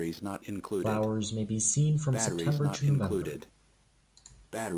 Flowers may be seen from September to November.